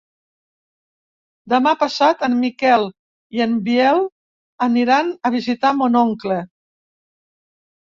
Demà passat en Miquel i en Biel aniran a visitar mon oncle.